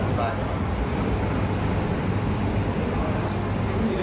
เอาไปทำอะไรงี่ยังไง